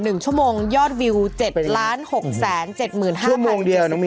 หนึ่งชั่วโมงยอดวิวเจ็ดล้านหกแสนเจ็ดหมื่นห้าชั่วโมงเดียวน้องมิว